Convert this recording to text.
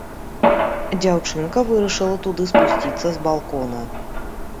Дзяўчынка вырашыла туды спусціцца з балкона.